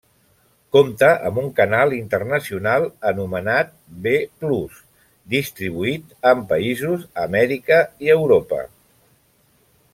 Compte amb un canal internacional anomenat Ve Plus, distribuït en països a Amèrica i Europa.